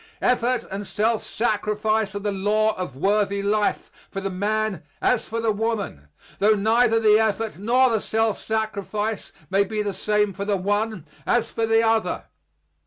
Effort and self sacrifice are the law of worthy life for the man as for the woman; tho neither the effort nor the self sacrifice may be the same for the one as for the other.